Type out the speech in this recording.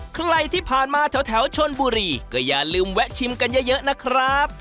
ใครที่ผ่านมาแถวชนบุรีก็อย่าลืมแวะชิมกันเยอะนะครับ